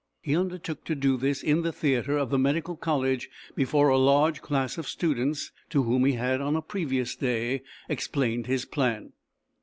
He undertook to do this in the theatre of the medical college before a large class of students, to whom he had, on a previous day, explained his plan.